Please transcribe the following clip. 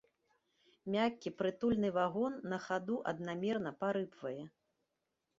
Мяккі прытульны вагон на хаду аднамерна парыпвае.